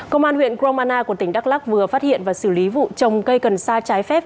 công an huyện kromana của tỉnh đắk lắc vừa phát hiện và xử lý vụ trồng cây cần sa trái phép